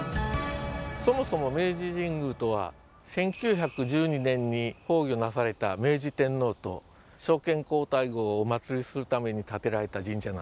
そもそも明治神宮とは１９１２年に崩御なされた明治天皇と昭憲皇太后をお祀りするために建てられた神社なんです。